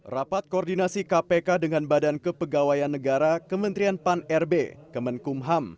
rapat koordinasi kpk dengan badan kepegawaian negara kementerian pan rb kemenkumham